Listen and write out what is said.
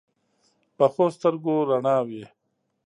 پخو سترګو رڼا وي